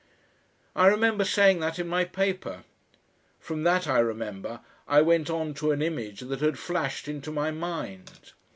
I remember saying that in my paper. From that, I remember, I went on to an image that had flashed into my mind.